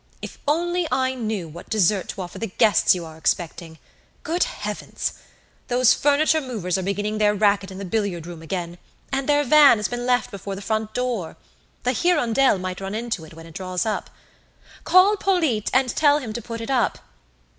If only I knew what dessert to offer the guests you are expecting! Good heavens! Those furniture movers are beginning their racket in the billiard room again; and their van has been left before the front door! The 'Hirondelle' might run into it when it draws up. Call Polyte and tell him to put it up.